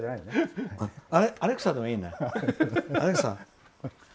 アレクサでもいいね。